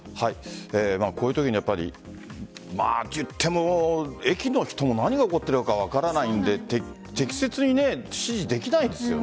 こういうとき駅の人も何が起こっているのか分からないので適切に指示できないですよね。